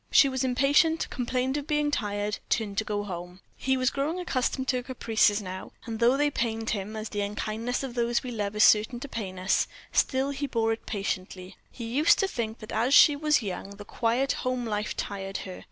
She was impatient, complained of being tired, turned to go home. He was growing accustomed to her caprices now; and though they pained him, as the unkindness of those we love is certain to pain us, still he bore it patiently; he used to think that as she was young the quiet home life tired her.